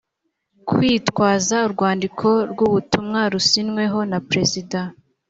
kwitwaza urwandiko rw ubutumwa rusinyweho na perezida